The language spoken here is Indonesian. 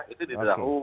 itu di berahu